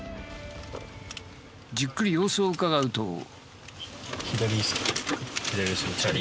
じっくり様子をうかがうと。